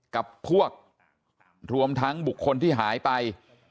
กับพวกรวมทั้งบุคคลที่หายไป